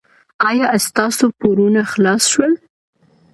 ایا ستاسو پورونه خلاص شول؟